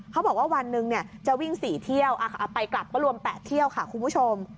เขาบอกว่าวันหนึ่งจะวิ่ง๔เที่ยวไปกลับก็รวม๘เที่ยวค่ะคุณผู้ชม